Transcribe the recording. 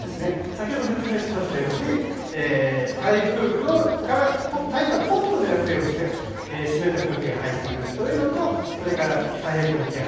先ほど説明しましたように台風がポンプの役目をして湿った空気が入ってくるというのとそれから太平洋高気圧。